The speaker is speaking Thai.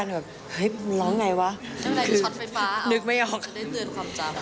นึกไม่ออก